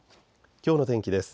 きょうの天気です。